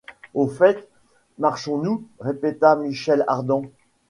Au fait marchons-nous? répéta Michel Ardan.